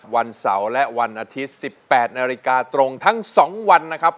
วันเสาร์และวันอาทิตย์๑๘นาฬิกาตรงทั้ง๒วันนะครับ